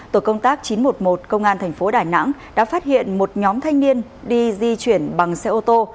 tổ công tác chín trăm một mươi một công an thành phố đà nẵng đã phát hiện một nhóm thanh niên đi di chuyển bằng xe ô tô